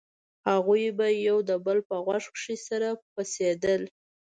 هغوى به يو د بل په غوږ کښې سره پسېدل.